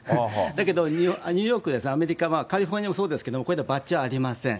だけどニューヨーク、アメリカはカリフォルニアもそうですけれども、こういったバッジはありません。